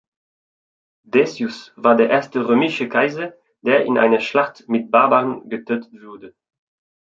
Decius war der erste römische Kaiser, der in einer Schlacht mit "Barbaren" getötet wurde.